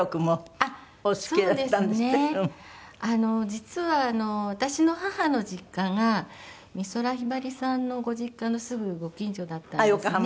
実は私の母の実家が美空ひばりさんのご実家のすぐご近所だったんですね。